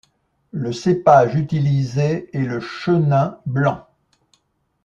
Le cépage utilisé est le chenin blanc.